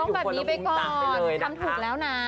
แบบนี้ไปก่อนทำถูกแล้วนะ